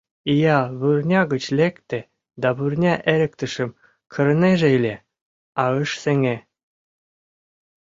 Ия вурня гыч лекте да вурня эрыктышым кырынеже ыле, а ыш сеҥе!